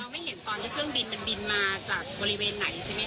ไม่เห็นตอนที่เครื่องบินมันบินมาจากบริเวณไหนใช่ไหมค